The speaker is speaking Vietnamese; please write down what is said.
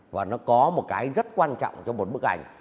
và nó có một cái rất quan trọng cho một bức ảnh